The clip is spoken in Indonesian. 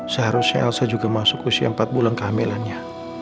seharusnya elsa juga masuk usia empat bulan kehamilannya